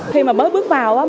khi mà mới bước vào